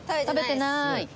食べてない！